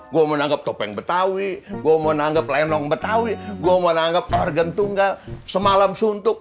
gue mau nanggap topeng betawi gue mau nanggap lenong betawi gue mau nanggap organ tunggal semalam suntuk